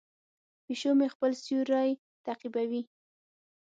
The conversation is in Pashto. پیشو مې خپل سیوری تعقیبوي.